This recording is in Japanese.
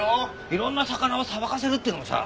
いろんな魚をさばかせるっていうのもさ